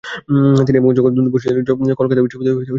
তিনি এবং জগৎবন্ধু বসু ছিলেন কলকাতা বিশ্ববিদ্যালয়ের দ্বিতীয় এমডি।